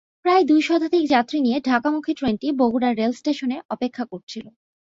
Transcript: প্রায় দুই শতাধিক যাত্রী নিয়ে ঢাকামুখী ট্রেনটি বগুড়া রেলস্টেশনে অপেক্ষা করছিল।